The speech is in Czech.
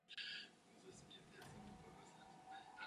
Taktéž se zde nevyskytuje inventář a děj je vyprávěn s černým humorem.